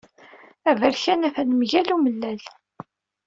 Aberkan atan mgal umellal.